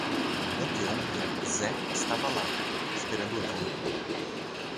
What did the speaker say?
Anteontem Zé estava lá, esperando ela.